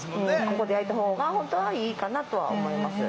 ここで焼いた方が本当はいいかなとは思います。